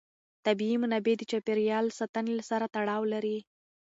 طبیعي منابع د چاپېر یال ساتنې سره تړاو لري.